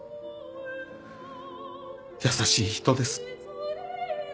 優しい人です。